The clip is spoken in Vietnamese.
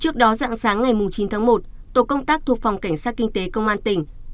trước đó dạng sáng ngày chín tháng một tổ công tác thuộc phòng cảnh sát kinh tế công an tỉnh